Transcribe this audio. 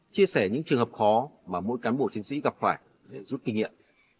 chia sẻ những trường hợp khó mà mỗi cán bộ chiến sĩ gặp phải để giúp kinh nghiệm